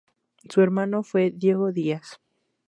Su hermano fue Diogo Dias.